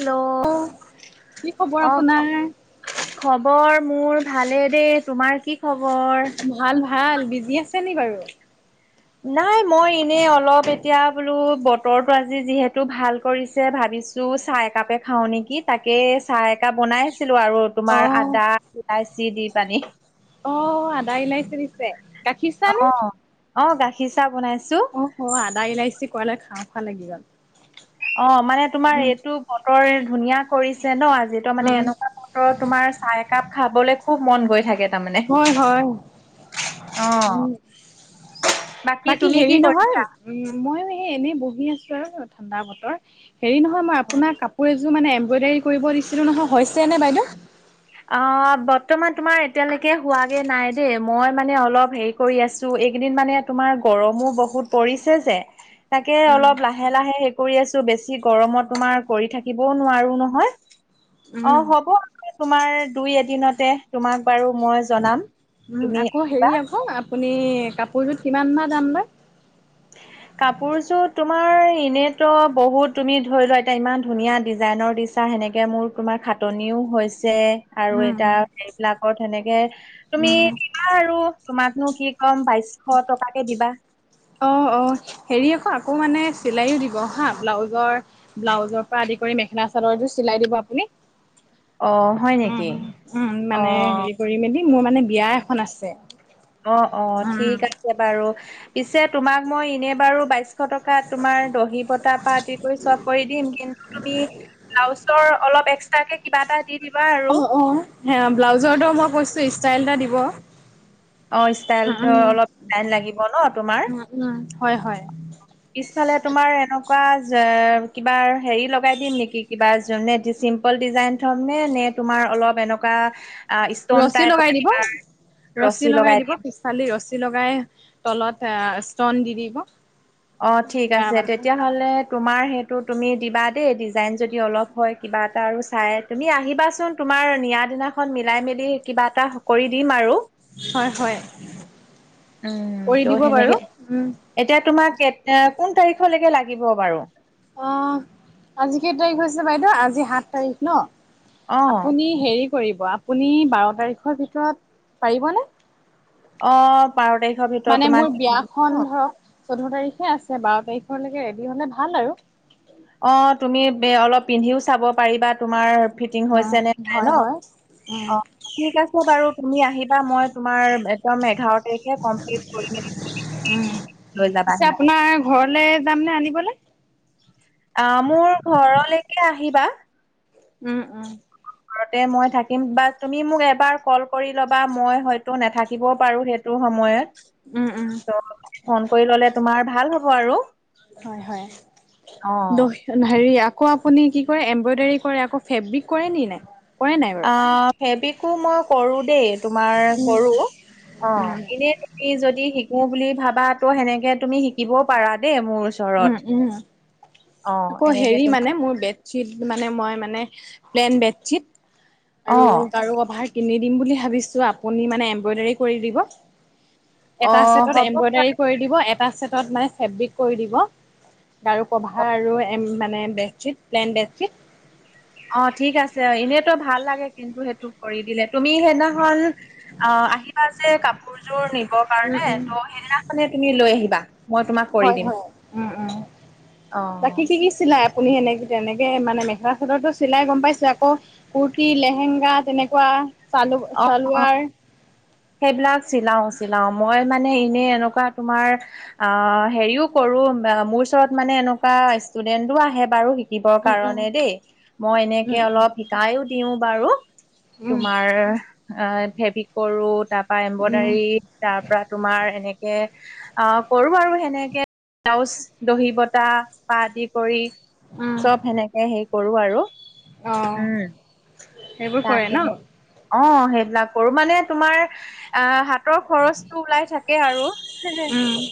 Hello, কি খবৰ অঁ। আপোনাৰ? খবৰ মোৰ ভালে দেই। তোমাৰ কি খবৰ? ভাল, ভাল। বিজি আছে নি বাৰু? নাই মই এনে অলপ এতিয়া বোলো বতৰটো আজি যিহেতু ভাল কৰিছে, ভাবিছো- চো চাহ একাপে খাওঁ নেকি! তাকে চাহ একাপ বনাইছিলো আৰু। তোমাৰ অ'। আদা, ইলাচি দি পানি। অঁ, আদা, ইলাচি দিছে! গাখীৰ চাহ নে? অঁ, অঁ গাখীৰ চাহ বনাইছোঁ। অঁ, আদা -ইলাচি ক'লে খাওঁ খাওঁ লাগি গ'ল। অঁ, মানে তোমাৰ উম, এইটো বতৰে ধুনীয়া কৰিছে ন আ- যিটো মানে উম, এনেকুৱা বতৰত তোমাৰ চাহ একাপ খাবলে খুব মন গৈ থাকে। তাৰমানে। হয়, হয়, অ'। উম। বাকী তুমি কি হেৰি নহয়, কৰিছা? - উম, মইয়ো সেই এনেই বহি আছো আৰু ঠাণ্ডা বতৰ। হেৰি নহয়, মই আপোনাৰ কাপোৰ এযো- ৰ মানে এম্ব্ৰইডাৰী কৰিব দিছিলো নহয়, হৈছে নে বাইদউ? অঁ, বৰ্তমান তোমাৰ এতিয়ালৈকে হোৱাগে নাই দেই। মই মানে অলপ হেৰি- কৰি আছোঁ। এইকেইদিন মানে তোমাৰ গৰমো বহুত পৰিছে যে। তাকে উম, অলপ লাহে লাহে হেৰি কৰি আছোঁ। বেছি গৰমত তোমাৰ কৰি থাকিবও নোৱাৰো নহয়। অঁ, উম। হ'ব লাগে আকৌ দুই এদিনতে। তোমাক বাৰু মই - জনাম, উম, তুমি আকৌ হেৰি আহিবা। আকৌ আপুনি কাপোৰযোত কিমানমান দাম লয়? [unintelligible] কাপোৰযোত তোমাৰ এনেইটো বহুত। তুমি ধৰিলোৱা এতিয়া ইমান ধুনীয়া ডিজাইনৰ দিছ- ছা, সেনেকে মোৰ তোমাৰ খাটনিও হৈছে। আৰু উম, এতিয়া সেইবিলাকত সেনেকে তুমি- উম, দিবা আৰু তোমাকনো কি ক'ম? বাইছ শ টকাকে দিবা। অঁ অঁ, হেৰি আক' আকৌ মানে চিলাইও দিব হাঁ ব্লাউজৰ ব্লাউজৰ পৰা আদি কৰি মেখেলা -চাদৰ এযোৰ চিলাই দিব আপুনি। অ' হয় উম নেকি? ওঁ উম, মানে অ' হেৰি কৰি মেলি মোৰ মানে বিয়া এখন আছে। অঁ, অঁ উম, ঠিক আছে বাৰু, পিছে তোমাক মই এনে বাৰু বাইশ শ টকাত তোমাৰ দহি বতাৰ পৰা আদিকৰি চব কৰি দিম। কিন্তু তুমি ব্লাউজৰ অলপ এক্সট্ৰাকে কিবা এটা দি দিবা আৰু অঁ, অঁ হেয়া ব্লাউজৰটো মই কৈছোৱে ষ্টাইল এটা দিব। অঁ, ষ্টাইলটো উম, অলপ টাইম লাগিব ন' তোমাৰ? উম, উম, হয়, হয়। পিছফালে তোমাৰ এনেকুৱা যে কিবা হেৰি লগাই দিম নেকি কিবা যুনেদিছিম। অকল ডিজাইন থম নে? নে তোমাৰ অলপ এনকুৱা আ স্তন ৰছী লগাই টাইপৰ দিব কিবা ৰছী লগাই দিব, পিফালেদি ৰছী লগাই তলত আঁ স্তন দি দিব। অঁ ঠিক কিবা আছে। মানে তেতিয়াহ'লে তোমাৰ সেইটো তুমি দিবা দেই। ডিজাইন যদি অলপ হয় কিবা এটা আৰু চাই। তুমি আহিবাচোন? তোমাৰ নিয়া দিনাখন মিলাই - মেলি কিবা এটা কৰি দিম আৰু। হয়, হয় কৰি ত' দিব বাৰু, সেনেকে উম। এতিয়া তোমাক কেত্ এ কোন তাৰিখলৈকে লাগিব বাৰু? অঁ, আজি কেইতাৰিখ হৈছে বাইদেউ। আজি সাত তাৰিখ ন'? অ আপুনি হেৰি কৰিব, আপুনি বাৰ তাৰিখৰ ভিতৰত পাৰিব নে? অঁ বাৰ তাৰিখৰ ভিত্ মানে মোৰ বিয়াখন ধৰক চৈধ্য তাৰিখে আছে, বাৰ তাৰিখলৈকে ৰেডী হ'লে ভাল আৰু। অঁ তুমি বে অলপ পিন্ধিও চাব পাৰিবা তোমাৰ ফিটিং হৈছে নে নাই ন '? অঁ। অঁ, ঠিক আছে বাৰু তুমি আহিবা। মই তোমাৰ একদম এঘাৰ তাৰিখে কমপ্লিট কৰি -মেলি উম। লৈ পিছে যাবাহি? আপোনাৰ ঘৰলে যাম নে আনিবলে? আঁ মোৰ ঘৰলৈকে আহিবা। উম উম। ঘৰতে মই থাকিম বা তুমি মোক এবাৰ কল কৰি ল'বা, মই হয়তো নাথাকিবও পাৰো সেই টো সময়ত। উম, ওঁ। ত 'ফোন কৰি ল'লে তোমাৰ ভাল হ'ব আৰু। হয় হয়। অ'। দহি হেৰি আকৌ আপুনি কি কৰে? এম্ব্ৰইডাৰী কৰে আকৌ ফেব্ৰিক কৰে নি নাই? কৰে নাই বাৰু? আঁ ফেব্ৰিকো মই কৰো দেই। তোমাৰ কৰো অঁ, উম, এনেই তুমি যদি শিকো বুলি ভাবা ত' সেনেকে তুমি শিক্ শিকিবও পাৰা দেই মোৰ ওচৰত। উম, উম। অ আকৌ এনেকে হেৰি তোমাৰ মানে মোৰ বেত শ্বীট মানে, মই মানে প্লেন বেডশ্বীট অ আৰু গাৰু কভাৰ কিনি দিম বুলি ভাবিছোঁ। আপুনি মানে এম্ব্ৰইডাৰী কৰি দিব। অ এটা চেটত হ'ব বাৰু এম্ব্ৰইডাৰী কৰি দিব, এটা চেটত মানে ফেব্ৰিক কৰি দিব গাৰু ক' আৰু এ মানে বেডশ্বীট প্লেইন বেডশ্বীট। অ ঠিক আছে অ এনেতো ভাল লাগে কিন্তু সেইটো কৰি দিলে, তুমি সেই দিনাখন অ আহিবা যে কাপোৰযোৰ নিব কাৰণে উম উম ত সেইদিনা মানে তুমি লৈ আহিবা মই তোমাক কৰি হয় দিম। হয় উম উম অ। বাকী কি কি চিলায়? আপুনি সেনেকে তেনেকে মানে মেখেলা চাদৰটো চিলাই গ'ম পাইছোঁ। আকৌ কুৰ্তি, লেহেংগা তেনেকুৱা চালু অ'অ' চালোৱাৰ সেইবিলাক চিলাওঁ চিলাওঁ। মই মানে এনে এনেকুৱা তোমাৰ অ' হেৰিও কৰোঁ মোৰ ওচৰত মানে এনেকুৱা ষ্টুডেন্টও আহে বাৰু দিবৰ উম উম কাৰণে দেই। মই এনেকে উম অলপ শিকাইও দিওঁ বাৰু। উম তোমাৰ ফেব্ৰিক কৰোঁ তাৰপা উম এম্ব্ৰডাৰী তাৰ পৰা তোমাৰ এনেকে আহ কৰোঁ আৰু সেনেকে ব্লাউজ দহি বতাহ পা আদি কৰি চ'ব সেনেকে হেৰি কৰোঁ আৰু অহ'। উম তাকে অ' সেইবিলাক কৰোঁ মানে তোমাৰ আহ হাত হাতৰ খৰচটো ওলাই থাকে আৰু উম,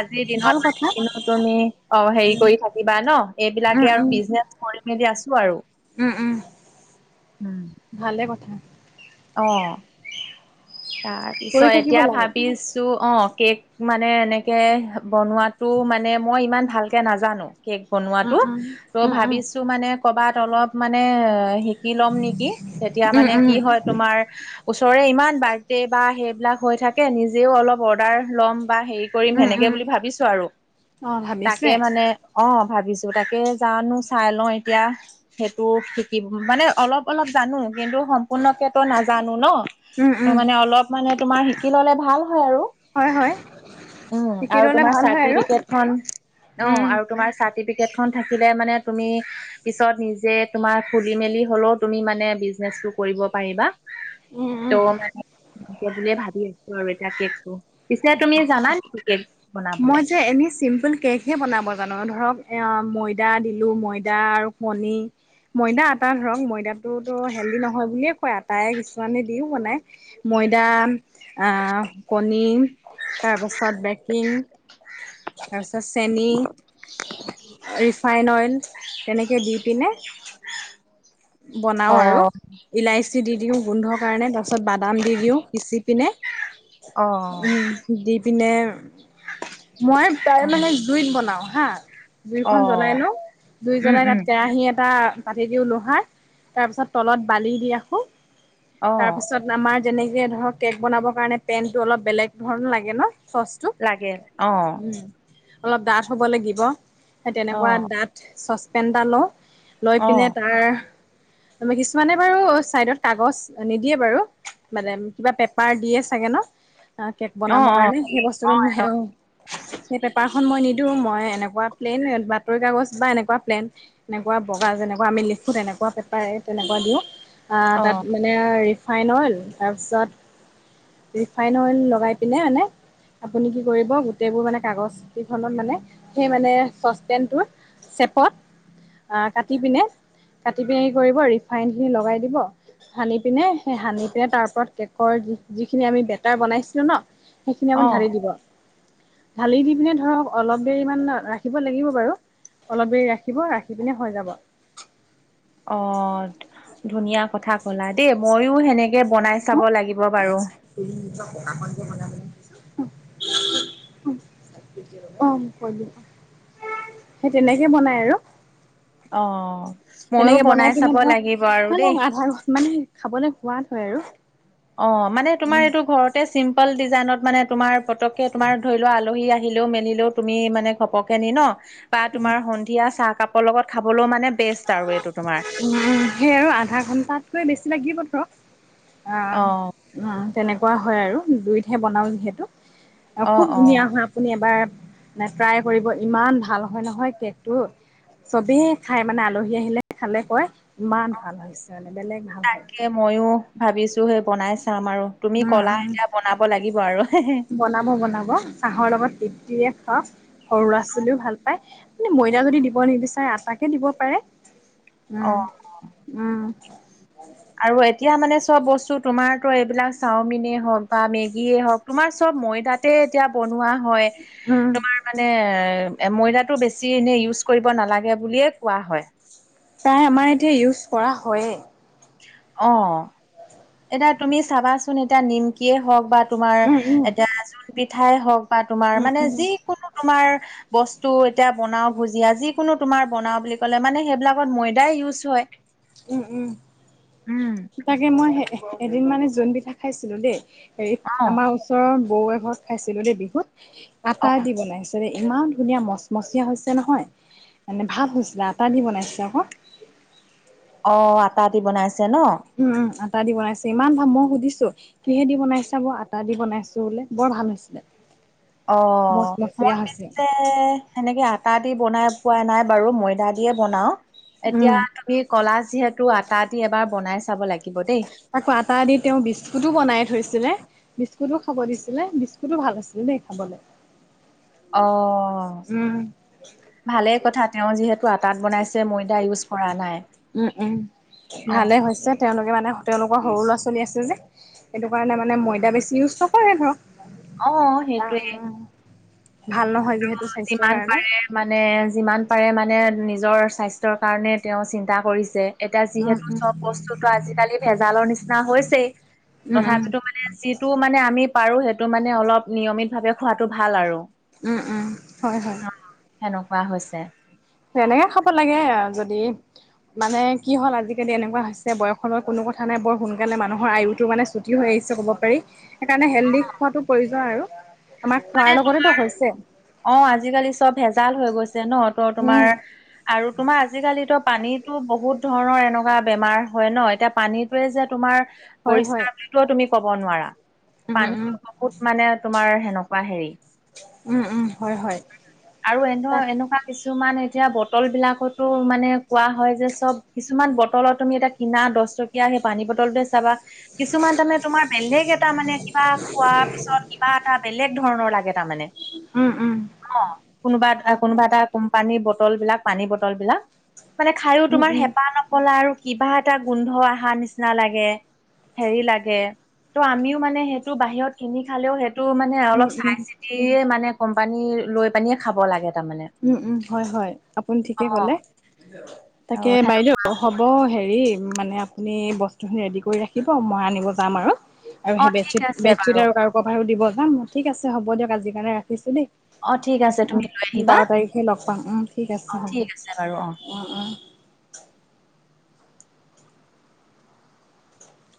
আজিৰ ভাল দিনত কথা। কিনো তুমি অ' হেৰি উম, কৰি থাকিবা ন? এইবিলাকে উম, আৰু বিজনেচ কৰি মেলি আছোঁ আৰু উম, উম, উম। ভালে কথা। অ'। তাৰ পিছত কৰি থাকিব এতিয়া লাগে। উম, ভাবিছোঁ। তোৰ অ' কেক মানে এনেকে বনোৱাটো মানে মই ইমান ভালকে নাজানোঁ। কেক বনোৱাটো উম, ত' উম, উম, ভাবিছোঁ মানে ক'ৰবাত অলপ মানে শিক কি ল'ম নেকি? তেতিয়া উম, মানে কি উম, হয়, তোমাৰ ওচৰৰে ইমান বাৰ দে বা সেইবিলাক হৈ থাকে, নিজেও অলপ অৰ্ডাৰ ল'ম বা হেৰি কৰিম উম, সেনেকে উম। বুলি ভাবিছোঁ আৰু অ' তাকে ভাবিছে? মানে অ' ভাবিছোঁ। তাকে জানোঁ চাই লওঁ এতিয়া। সেইটো শিকিব মানে অলপ অলপ জানোঁ, কিন্তু সম্পূৰ্ণকে তোৰ নাজানোঁ ন। উম, তো উম। মানে অলপ মানে তোমাৰ শিকি ল'লে ভাল হয় আৰু হয়, হয়। উম, শিকি আৰু ল'লে তোমাৰ ভাল হয় আৰু। চাৰ্টিফিকেটখন অ' উম, আৰু তোমাৰ চাৰ্টিফিকেট কেট খন থাকিলে মানে তুমি পিছত নিজে তোমাৰ খুলি মেলি হ'লেও তুমি মানে বিজনেচটো কৰিব পাৰিবা। উম, উম। তোৰ মানে এতিয়া বুলিয়ে ভাবি আছোঁ আৰু এতিয়া কেকটো। পিছে তুমি জানা নেকি কেক বনাবলে? এনে চিম্পল কেক হে বনাব জানোঁ, ধৰক অ' মৈয়দা দিলোঁ। মৈয়দা আৰু কণী মৈয়দা, আটা ধৰক মৈয়দাত টো তোৰ হেল্ডি নহয় বুলিয়ে কয় আটাই কিছুমানে দিওঁ বনাই, মৈয়দা আহ কণী তাৰপাছত বেগ বেকিং তাৰপিছত চেনী ৰিফাইন অইল তেনেকে দি পিনে বনাও অ আৰু ইলাচি দি দিওঁ, গোন্ধৰ কাৰণে, তাৰ পিছত বাদাম দি দিওঁ পিচি পিনে অ উম। দি পিনে মই প্ৰায় অ মানে জুইত বনাওঁ হা। অ জুইখনন জ্বলাই লওঁ, জুই উম জ্বলাই উম তাত কেৰাহী এটা পাতি দিওঁ লোহাৰ। তাৰপিছত তলত বালি দি ৰাখোঁ। অ তাৰপিছত আমাৰ যেনেকে ধৰক কেক বনাবৰ কাৰণে পেনটো অলপ বেলেগ ধৰণৰ লাগে ন চচটো। লাগে অ'। অলপ ডাঠ হ'ব লাগিব। সেই অ তেনেকুৱা ডাঠ চচপেন এটা লওঁ। লৈ অ পিনে তাৰ কিছুমানে বাৰু ছাইডত কাগজ নিদিয়ে বাৰু। মানে কিবা পেপাৰ দিয়ে চাগে ন কেক অ অ বনাবৰ কাৰণে সেই বস্তুটো সেই পেপাৰখন মই নিদিওঁ মই এনেকুৱা প্লেন বাতৰি কাগজ বা এনেকুৱা প্লেন - এনেকুৱা বগা যেনেকুৱা আমি লিখো তেনেকুৱা পেপাৰে তেনেকুৱা দিওঁ আহ অ তাত মানে ৰিফাইন অইল তাৰপিছত ৰিফাইন অইল লগাই পিনে মানে আপুনি কি কৰিব গোটেইবোৰ মানে কাগজ কেইখনত মানে সেই মানে চচপেনটোৰ চেপত কাটি পিনে আপুনি কি কৰিব ৰিফাইন খিনি লগাই দিব। সানি পিনে সেই সানি পিনে তাৰ ওপৰত কেকৰ যিখিনি আমি বেটাৰ বনাইছিলোঁ ন? সেইখিনি অ আপুনি ঢালি অ দিব। ঢালি দি পিনে ধৰক অলপ দেৰিমান ৰাখিব লাগিব বাৰু। অলপ দেৰি ৰাখিব ৰাখি পিনে হৈ যাব। অ', ধুনীয়া কথা কলা দেই মইয়ো সেনেকে কে বনাই চাব লাগিব বাৰু। [unintelligible] অ', সেই তেনেকে বনাই আৰু। অ'। ময়ো তেনেকে বনাই পিনে চাব লাগিব আৰু দেই। ধৰক আধা ঘণ্টা, মানে খাবলে সোৱাদ হয় আৰু। অ', মানে তোমাৰ উম এইটো ঘৰতে চিম্পল ডিজাইনত মানে তোমাৰ পতককে তোমাৰ ধৰি লোৱা আলহী আহি - আহিলোও মেলিলোও তুমি মানে ঘপকে নি ন বা তোমাৰ সন্ধিয়া চাহ কাপৰ লগত খাবলৈও মানে বেষ্ট আৰু এইটো তোমাৰ। উম, সেই আৰু আধা ঘণ্টাতকৈ বেছি লাগিব ধৰক অ'। অ', অ', তেনেকুৱা হয় আৰু জুইতহে বনাও যিহেতু অ', খুব ধুনীয়া অ', হয়। আপুনি এবাৰ ট্ৰাই কৰিব ইমান ভাল হয় নহয় কেকটো চবেই খাই মানে আলহী আহিলে খালে কয় ইমান ভাল হৈছে মানে বেলেগ ভাল হয়। মইয়ো ভাবিছোঁ সেই বনাই চাম আৰু তুমি উম কলা উম এতিয়া বনাব লাগিব আৰু। বনাব, বনাব। চাহৰ লগত তৃপ্তিৰে খাওঁক। সৰু লৰা ছোৱালীৱেও ভাল পায় ময়দা যদি দিব নিবিচাৰে আটাকে দিব পাৰে। উম, অ'। উম। আৰু এতিয়া মানে চব বস্তু তোমাৰতো এইবিলাক চাওমিনে হওক বা মেগীয়ে হওক - তোমাৰ চব ময়দাতে এতিয়া বনোৱা হয়। উম। তোমাৰ মানে এ ময়দাটো বেছি এনে ইউজ কৰিব নালাগে বুলিয়ে কোৱা হয়। প্ৰায় আমাৰ এতিয়া ইউজ কৰা হয়েই। অ'। এতিয়া তুমি চাবাচোন এতিয়া নিমকিয়ে হওক বা তোমাৰ উম উম এতিয়া জোন পিঠাই হওক - বা তোমাৰ উম মানে উম যিকোনো তোমাৰ - বস্তু এতিয়া বনাও ভুজিয়া যিকোনো তোমাৰ বনাও বুলি ক'লে মানে সেইবিলাকত ময়দাই ইউজ হয়। উম উম, উম। তাকে মই এদিন মানে জোন পিঠা খাইছিলোঁ দেই - হেৰিত অ', আমাৰ ওচৰৰ বৌ এঘৰত খাইছিলোঁ দেই বিহুত আটা অ', দি বনাইছে। ইমান ধুনীয়া মচমচীয়া হৈছে নহয় মানে ভাল হৈছিলে আটা দি বনাইছে আক'। অ', আটা দি বনাইছে ন? উম, উম, আটা দি বনাইছে ইমান ভাল, মই সুধিছো - কিহেদি বনাইছে বৌ, আটা দি বনাইছোঁ বোলে বৰ ভাল হৈছিলে। অঁ! মচমচীয়া মই হৈছে পিছে এ সেনেকে আটা দি বনাই পোৱা নাই বাৰু ময়দা দিয়ে বনাওঁ এতিয়া উম তুমি কলা যিহেতু আটা আদি এবাৰ বনাই চাব লাগিব দেই। আকৌ আটা দি তেওঁ বিস্কুটো বনাই থৈছিলে। বিস্কুটতো খাব দিছিলে, বিস্কুটতো ভাল আছিলে দেই খাবলে। অঁ! উম ভালেই কথা তেওঁ যিহেতু আটাত বনাইছে ময়দা ইউজ কৰা নাই। উম উম! অ', ভালে। হৈছে তেওঁলোকে মানে তেওঁলোকৰ সৰু ল'ৰা-ছোৱালী আছে যে, সেইটো কাৰণে মানে ময়দা বেছি ইউজ নকৰে ধৰক। অঁ! সেইটোৱেই। ভাল নহয় যিহেতু স্বাস্থ্যৰ যিমান কাৰণে। পাৰে মানে যিমান পাৰে মানে নিজৰ স্বাস্থ্যৰ কাৰণে তেওঁ চিন্তা কৰিছে। এতিয়া উম যিহেতু উম চব বস্তুতো আজিকালি ভেজালৰ নিচিনা হৈছেই। উম উম তথাপিতো মানে যিটো মানে আমি পাৰোঁ সেইটো মানে অলপ নিয়মিতভাৱে খোৱাটো ভাল আৰু। উম-উম, হয়-হয়। অঁ! সেনেকুৱা হৈছে। তেনেকে খাব লাগে যদি মানে কি হ'ল আজিকালি এনেকুৱা হৈছে বয়সৰ কোনো কথা নাই বৰ সোনকালে মানুহৰ আয়ুতো মানে চুটি হৈ আহিছে ক'ব পাৰি সেইকাৰণে হেল্ডি খোৱাটো প্ৰয়োজন আৰু। আমাৰ খোৱাৰ লগতেটো হৈছে। অঁ! আজিকালি চব ভেজাল হৈ গৈছে ন, ত' তোমাৰ উম আৰু তোমাৰ আজিকালিতো পানীতো বহুত ধৰণৰ এনেকুৱা বেমাৰ হয় ন, এতিয়া পানীটোৱেই যে তোমাৰ হয় হয় পৰিষ্কাৰ বুলিও তুমি ক'ব নোৱাৰা। উম উম পানীটো বহুত মানে তোমাৰ সেনেকুৱা হেৰি। উম-উম, হয়-হয়। আৰু এনেও এনেকুৱা কিছুমান এতিয়া বটল বিলাকতো মানে কোৱা হয় যে চব কিছুমান বটলত তুমি এটা কিনা দহ টকীয়া সেই পানী বটলটোৱেই চাবা কিছুমান তাৰমানে তোমাৰ বেলেগ এটা মানে কিবা খোৱাৰ পিছত কিবা এটা বেলেগ ধৰণৰ লাগে তাৰমানে। উম-উম। কোনোবা এটা, কোনোবা এটা কোম্পানীৰ বটল বিলাক পানী বটল বিলাক মানে খায়ো উম তোমাৰ উম হেঁপাহ নহ পলাই আৰু কিবা এটা গোন্ধ অহা নিচিনা লাগে। হেৰি লাগে ত' আমিও মানে সেইটো বাহিৰত কিনি খালেও সেইটো মানে মানে উম অলপ চাই উম চিতিয়েই মানে কোম্পানী লৈ পানিয়ে খাব লাগে তাৰমানে। উম-উম, হয়-হয় আপুনি অ ঠিকেই ক'লে। অ তাকে বাইদেউ হ'ব হেৰি মানে আপো আপুনি বস্তুখিনি ৰেডি কৰি ৰাখিব মই আনিব যাম আৰু, আৰু অ সেই ঠিক বেডশ্বীট আছে বেডশ্বীট বাৰু আৰু কাৰো কভাৰো দিব যাম, ঠিক আছে হ'ব দিয়ক আজিৰ কাৰণে ৰাখিছোঁ দেই। অঁ! ঠিক আছে তুমি লৈ আহ [inaudible] বাৰ তাৰিখে লগ পাম, অঁ ঠিক আছে ঠিক হ'ব। আছে বাৰু অ অঁ-অঁ!